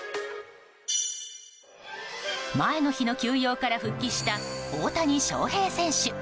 前の日の休養から復帰した大谷翔平選手。